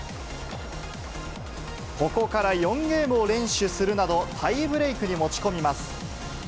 ここから４ゲームを連取するなど、タイブレークに持ち込みます。